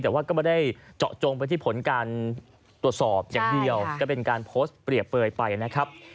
แต่ว่าก็ไม่ได้เจาะจงไปที่ผลการตรวจสอบอย่างเดียวก็เป็นการโพสต์เปรียบเปลยไปนะครับ